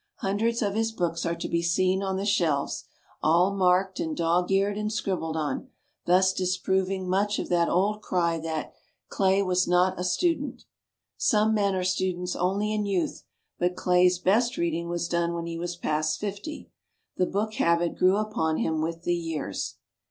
Hundreds of his books are to be seen on the shelves, all marked and dog eared and scribbled on, thus disproving much of that old cry that "Clay was not a student." Some men are students only in youth, but Clay's best reading was done when he was past fifty. The book habit grew upon him with the years.